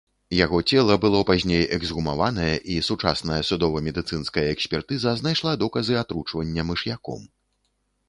Яго цела было пазней эксгумаванае, і сучасная судова-медыцынская экспертыза знайшла доказы атручвання мыш'яком.